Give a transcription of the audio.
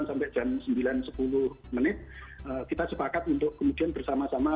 nah kemudian kita lanjutkan diskusi keesokan harinya dan akhirnya kita sepakat untuk membuat kenapa kita tidak bisa masuk